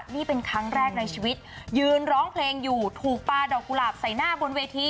นี่เป็นครั้งแรกในชีวิตยืนร้องเพลงอยู่ถูกปลาดอกกุหลาบใส่หน้าบนเวที